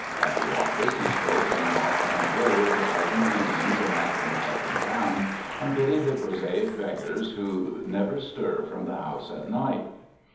At the office he spoke in an offhand way of the pleasant evenings a man can have in town, and pitied the prosaic beggars who never stir from the house at night.